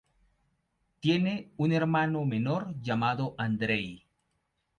Tiene un hermano menor llamado Andrei.